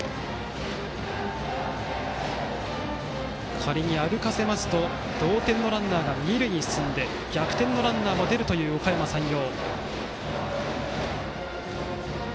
仮に歩かせますと同点のランナーが二塁に進んで逆転のランナーも出るというおかやま山陽。